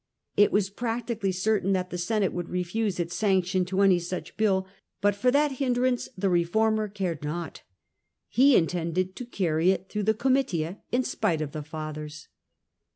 It was practically certain that the Senate would refuse its sanction to any such bill, but for that hindrance the reformer cared nought. He intended to carry it through the Comitia in spite of the Fathers.